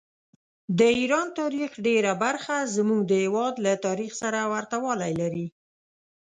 د ایران تاریخ ډېره برخه زموږ د هېواد له تاریخ سره ورته والي لري.